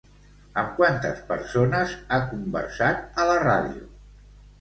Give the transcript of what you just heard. Amb quantes persones ha conversat a la ràdio?